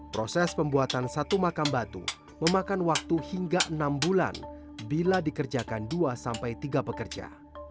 proses pembuatan satu makam batu memakan waktu hingga enam bulan bila dikerjakan dua sampai tiga pekerja